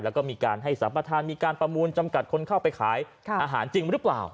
แล้วก็มีการให้สัมประธานมีการประมูลจำกัดคนเข้าไปขายอาหารจริงหรือเปล่า